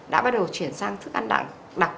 đã bắt đầu chuyển sang thức ăn đặc